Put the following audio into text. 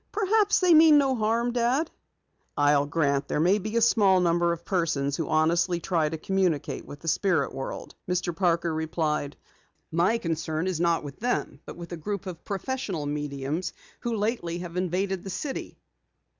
"Perhaps they mean no harm, Dad." "I'll grant there may be a small number of persons who honestly try to communicate with the spirit world," Mr. Parker replied. "My concern is not with them, but with a group of professional mediums who lately have invaded the city.